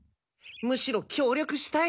むしろ協力したい！